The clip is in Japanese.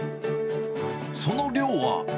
その量は。